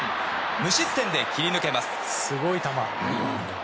無失点で切り抜けます。